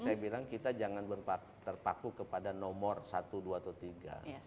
saya bilang kita jangan terpaku kepada nomor satu dua atau tiga